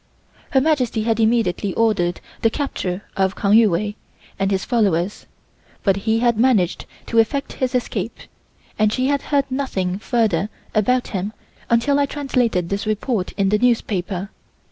Her Majesty had immediately ordered the capture of Kang Yu Wei and his followers, but he had managed to effect his escape and she had heard nothing further about him until I translated this report in the newspaper.